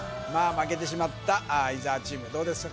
負けてしまった伊沢チームどうです？